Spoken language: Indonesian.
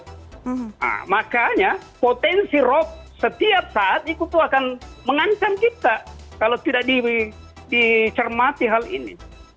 nah makanya potensi rop setiap saat itu tuh akan mengancam kita kalau tidak dicermati hal ini